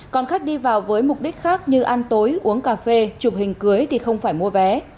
còn khách đi vào với mục đích khác như ăn tối uống cà phê chụp hình cưới thì không phải mua vé